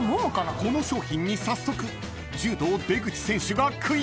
［この商品に早速柔道出口選手が食い付く］